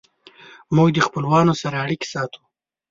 موږ د خپلوانو سره اړیکې ساتو.